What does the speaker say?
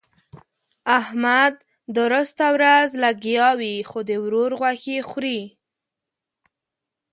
احمد درسته ورځ لګيا وي؛ د ورور غوښې خوري.